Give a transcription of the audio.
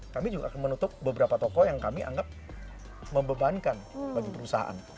kami juga akan menutup beberapa toko yang kami anggap membebankan bagi perusahaan